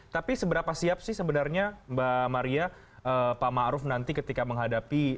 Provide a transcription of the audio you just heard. tapi seberapa siap sih sebenarnya mbak maria pak ma'ruf nanti ketika menghadiri